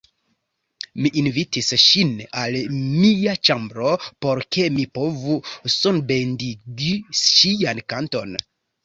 Mi invitis ŝin al mia ĉambro, por ke mi povu sonbendigi ŝian kanton.